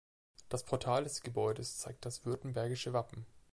Das Portal des Gebäudes zeigt das württembergische Wappen.